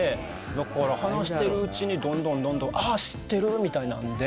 だから話してるうちにどんどんどんどんああ知ってる！みたいなので。